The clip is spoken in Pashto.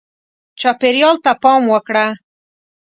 چاپېریال ته پام وکړه.